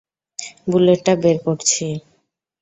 বুলেটটা বের করছি।